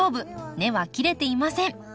根は切れていません。